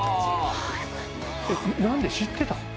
何で知ってた？